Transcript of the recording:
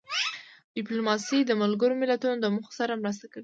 ډیپلوماسي د ملګرو ملتونو د موخو سره مرسته کوي.